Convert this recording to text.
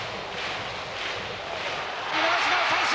見逃しの三振！